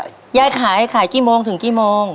คุณยายยายขายขนมตุ๊กเองเหรอครับ